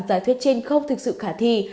giả thuyết trên không thực sự khả thi